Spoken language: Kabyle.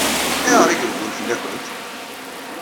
Ayɣer i ireggel fell-akent?